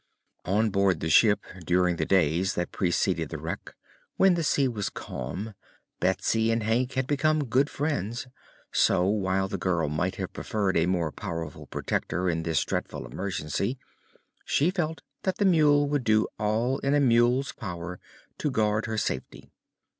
On board the ship, during the days that preceded the wreck, when the sea was calm, Betsy and Hank had become good friends; so, while the girl might have preferred a more powerful protector in this dreadful emergency, she felt that the mule would do all in a mule's power to guard her safety.